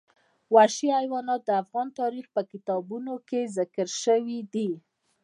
وحشي حیوانات د افغان تاریخ په کتابونو کې ذکر شوي دي.